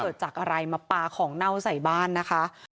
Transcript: เกิดจากอะไรมาปลาของเน่าใส่บ้านนะคะ